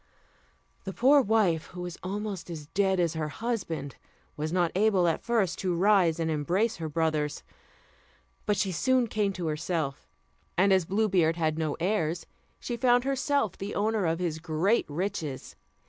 The poor wife, who was almost as dead as her husband, was not able at first to rise and embrace her brothers; but she soon came to herself; and, as Blue Beard had no heirs, she found herself the owner of his great riches.